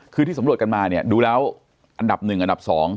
คือที่สำรวจกันมาเนี่ยดูแล้วอันดับ๑อันดับ๒